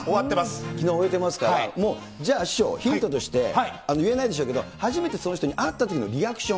きのう終えてますから、じゃあ師匠、ヒントとして、言えないでしょうけど、初めてその人に会ったときのリアクション。